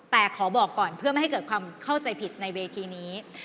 แต่ขอบอกก่อนเพื่อไม่ให้เกิดความเข้าใจผิดในเวทีนี้